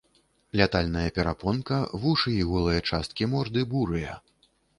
Лятальная перапонка, вушы і голыя часткі морды бурыя.